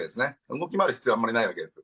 動き回る必要はあんまりないわけです。